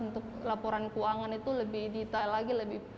untuk laporan keuangan itu lebih detail lagi